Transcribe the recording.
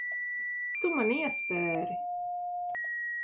Tu man iespēri.